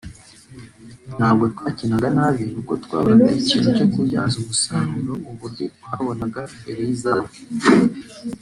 ntabwo twakinaga nabi nuko twaburaga ikintu cyo kubyaza umusaruro uburyo twabonaga imbere y’izamu